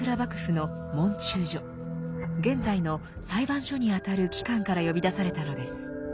現在の裁判所にあたる機関から呼び出されたのです。